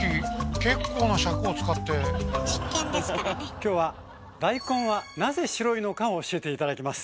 今日は大根はなぜ白いのかを教えて頂きます。